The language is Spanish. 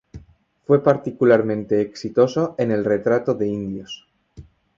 Fue particularmente exitoso en el retrato de indios.